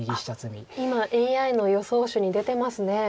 今ＡＩの予想手に出てますね。